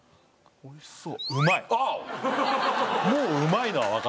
おいしそうわお！